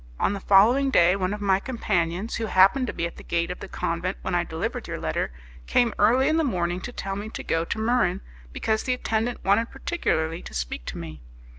On the following day, one of my companions, who happened to be at the gate of the convent when I delivered your letter, came early in the morning to tell me to go to Muran, because the attendant wanted particularly to speak to me.